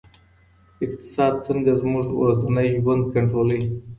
اقتصاد څنګه زموږ ورځنی ژوند کنټرولوي؟